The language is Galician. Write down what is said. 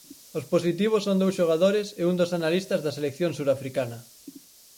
Os positivos son dous xogadores e un dos analistas da selección surafricana.